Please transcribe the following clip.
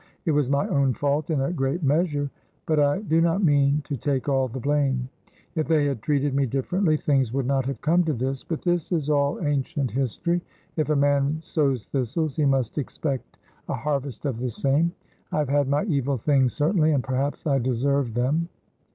It was my own fault in a great measure; but I do not mean to take all the blame; if they had treated me differently, things would not have come to this; but this is all ancient history; if a man sows thistles he must expect a harvest of the same. I have had my evil things certainly, and perhaps I deserved them."